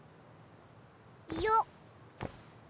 よっ。